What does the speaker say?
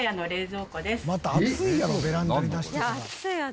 また暑いやろベランダに出してたら。